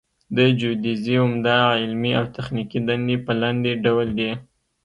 د جیودیزي عمده علمي او تخنیکي دندې په لاندې ډول دي